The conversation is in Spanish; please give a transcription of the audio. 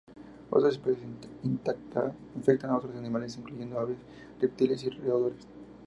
Otras especies infectan a otros animales, incluyendo aves, reptiles y roedores.